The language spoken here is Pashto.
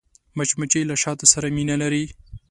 مچمچۍ له شاتو سره مینه لري